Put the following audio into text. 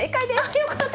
よかった。